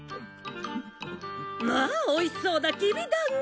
まあおいしそうなきび団子。